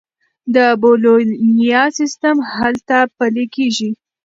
د بولونیا سیستم هلته پلي کیږي.